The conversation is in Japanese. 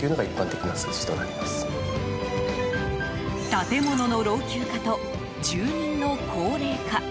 建物の老朽化と住人の高齢化